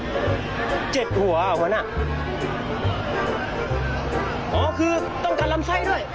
๗หัวเหรอหัวหน้า